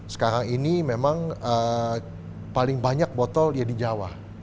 sekarang ini memang paling banyak botol ya di jawa